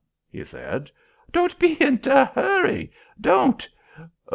he said: "don't pe in te 'urry—don't.